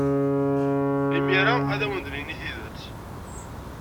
Imir-a ad awen-d-nini tidet.